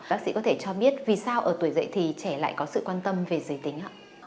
bác sĩ có thể cho biết vì sao ở tuổi dậy thì trẻ lại có sự quan tâm về giới tính ạ